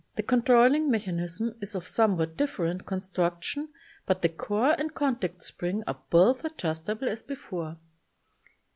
The control ling mechanism is of somewhat different construction but the core and contact spring are both adjustable as before.